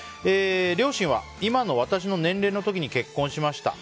両親は今の私の年齢の時に結婚しました。